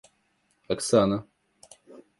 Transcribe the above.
Оксана